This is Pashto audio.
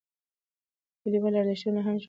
کلیوالي ارزښتونه لا هم ژوندی دي.